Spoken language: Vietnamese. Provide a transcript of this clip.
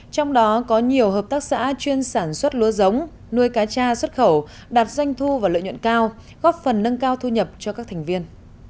trong đó có nhiều hợp tác xã chuyên sản xuất lúa giống nuôi cá cha xuất khẩu đạt doanh thu và lợi nhuận cao góp phần nâng cao thu nhập cho các thành viên